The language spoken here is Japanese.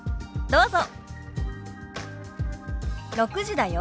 どうぞ。